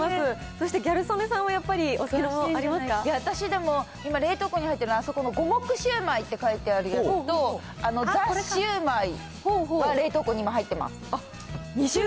そしてギャル曽根さんはやっぱり、お勧め私、でも今冷凍庫に入ってるのあそこの五目シュウマイって書いてあるやつと、あのザ・シュウマイは、冷凍庫に今、入ってます。